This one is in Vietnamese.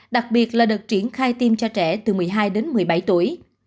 đặc biệt là đợt triển khai tiêm cho trẻ từ một mươi hai đến một mươi bảy tuổi